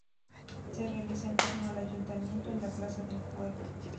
Se realiza en torno al ayuntamiento en la plaza del pueblo.